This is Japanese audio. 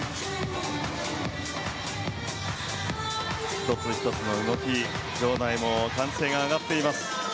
１つ１つの動き場内も歓声が上がっています。